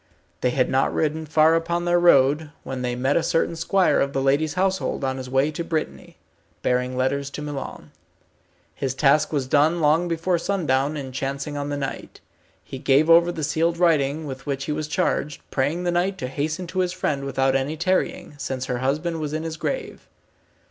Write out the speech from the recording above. They had not ridden far upon their road, when they met a certain squire of the lady's household on his way to Brittany, bearing letters to Milon. His task was done long before sundown in chancing on the knight. He gave over the sealed writing with which he was charged, praying the knight to hasten to his friend without any tarrying, since her husband was in his grave.